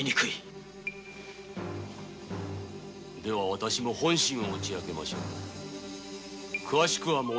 私も本心を打ち明けましょう。